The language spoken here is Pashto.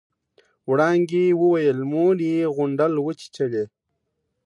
وړانګې وويل مور يې غونډل وچېچلې.